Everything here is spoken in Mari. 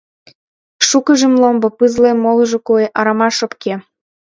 Шукыжым ломбо, пызле, молыжо куэ, арама, шопке.